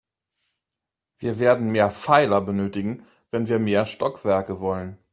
Wir werden mehr Pfeiler benötigen, wenn wir mehr Stockwerke wollen.